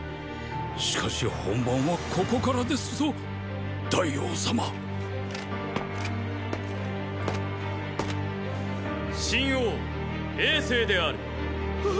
しかし本番はここからですぞ大王様秦王政である。